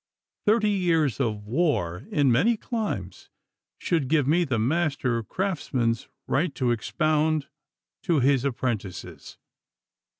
Thirty years of war in many climes should give me the master craftsman's right to expound to his apprentices.